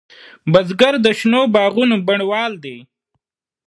بزګر د شنو باغونو بڼوال دی